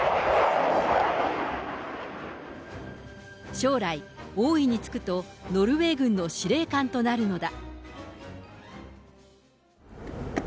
将来王位に就くと、ノルウェー軍の司令官となるのだ。